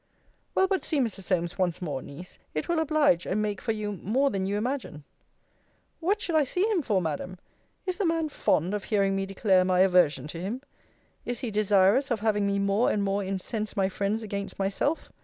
Well, but see Mr. Solmes once more, Niece. It will oblige and make for you more than you imagine. What should I see him for, Madam? Is the man fond of hearing me declare my aversion to him? Is he desirous of having me more and more incense my friends against myself?